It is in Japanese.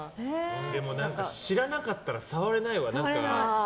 でも知らなかったら触れないわ。